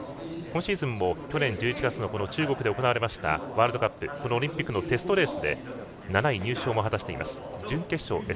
今シーズンも去年１１月の中国で行われましたワールドカップオリンピックのテストレースで７位入賞も果たしています。